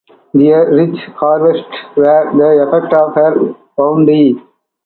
Their rich harvests were the effect of her bounty.